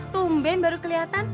tumben baru kelihatan